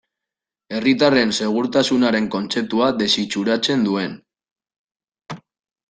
Herritarren segurtasunaren kontzeptua desitxuratzen duen.